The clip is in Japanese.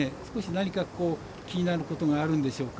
何か気になることがあるんでしょうか。